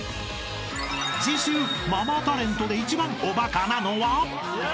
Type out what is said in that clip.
［次週ママタレントで一番おバカなのは？］